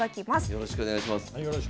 よろしくお願いします。